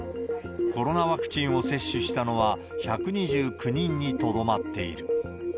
コロナワクチンを接種したのは１２９人にとどまっている。